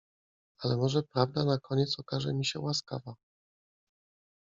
Ale może prawda na koniec okaże mi się łaskawa…